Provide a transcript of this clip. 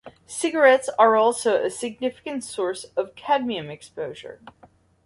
Cigarettes are also a significant source of cadmium exposure.